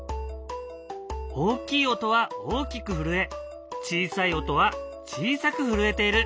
大きい音は大きく震え小さい音は小さく震えている。